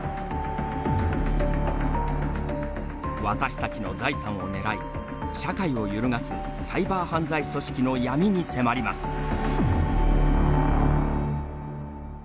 私たちの財産を狙い社会を揺るがすサイバー犯罪組織の闇に迫ります。